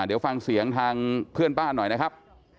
เดี๋ยวฟังเสียงทางเพื่อนบ้านหน่อยนะครับ